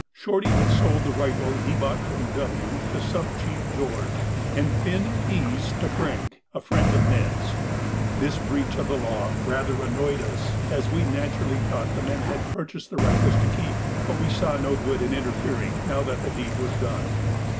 Shorty had sold the rifle he bought from W. to Sub chief George, and Finn E.'s to Frank, a friend of Ned's. This breach of the law rather annoyed us, as we naturally thought the men had purchased the rifles to keep, but we saw no good in interfering, now that the deed was done.